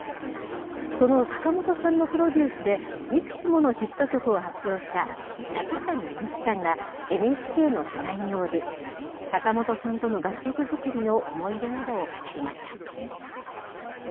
その坂本さんのプロデュースで、いくつものヒット曲を発表した中谷美紀さんが、ＮＨＫの取材に応じ、坂本さんとの楽曲作りの思い出などを語りました。